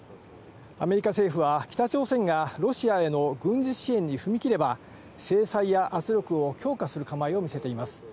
アメリカ政府は、北朝鮮がロシアへの軍事支援に踏み切れば制裁や圧力を強化する構えを見せています。